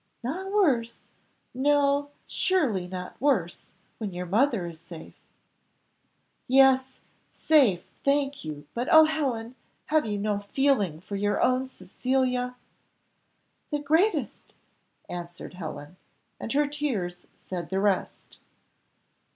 "Not worse no, surely not worse, when your mother is safe." "Yes, safe, thank you but oh, Helen, have you no feeling for your own Cecilia?" "The greatest," answered Helen; and her tears said the rest.